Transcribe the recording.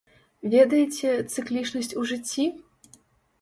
Ведаеце, цыклічнасць у жыцці?